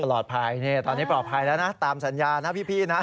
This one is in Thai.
ปลอดภัยนี่ตอนนี้ปลอดภัยแล้วนะตามสัญญานะพี่นะ